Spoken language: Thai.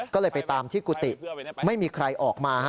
ก็เลยไปตามที่กุฏิไม่มีใครออกมา